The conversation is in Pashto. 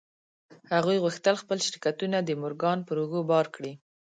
هغوی غوښتل خپل شرکتونه د مورګان پر اوږو بار کړي